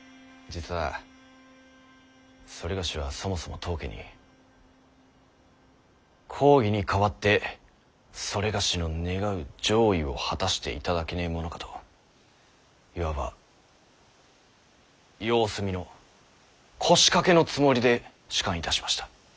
実は某はそもそも当家に公儀に代わって某の願う攘夷を果たしていただけねぇものかといわば様子見の腰掛けのつもりで仕官いたしました。